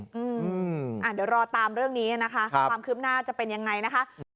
เดี๋ยวรอตามเรื่องนี้นะคะความคืบหน้าจะเป็นยังไงนะคะ